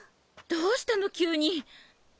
どうしたの急に！？